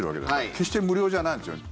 決して無料じゃないんですよね。